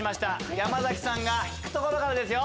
山崎さんが引くところからですよ。